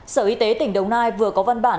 sở y tế tỉnh đồng nai vừa có văn bản